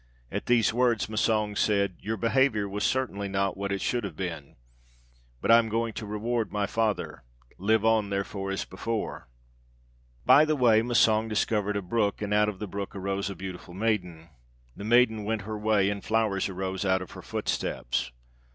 At these words Massang said, 'Your behaviour was certainly not what it should have been; but I am going to reward my father live on, therefore, as before.' "By the way Massang discovered a brook, and out of the brook arose a beautiful maiden. The maiden went her way, and flowers arose out of her footsteps.